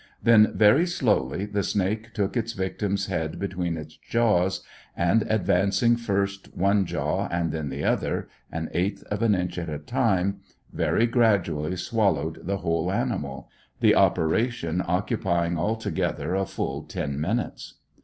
Then, very slowly, the snake took its victim's head between its jaws and, advancing first one jaw and then the other, an eighth of an inch at a time, very gradually swallowed the whole animal, the operation occupying altogether a full ten minutes.